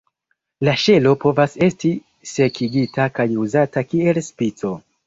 La ŝelo povas esti sekigita kaj uzata kiel spico.